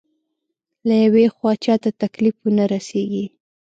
له يوې خوا چاته تکليف ونه رسېږي.